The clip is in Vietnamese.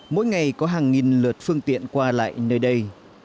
mỗi ngày có hàng nghìn lượt phương tiện qua lại nơi đây